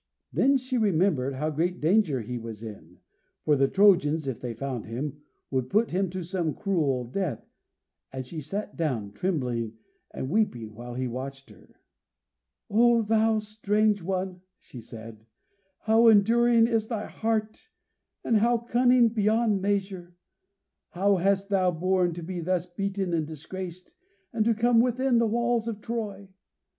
Then she remembered how great danger he was in, for the Trojans, if they found him, would put him to some cruel death, and she sat down, trembling and weeping, while he watched her. "Oh thou strange one," she said, "how enduring is thy heart and how cunning beyond measure! How hast thou borne to be thus beaten and disgraced, and to come within the walls of Troy?